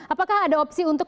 apakah ada opsi untuk